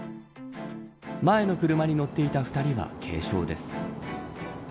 前の車に乗っていた２人は軽傷です。